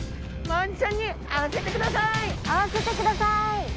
会わせてください！